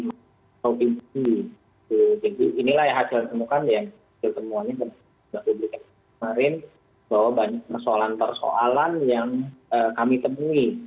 jadi inilah hasil temukan yang kita temukan bahwa banyak persoalan persoalan yang kami temui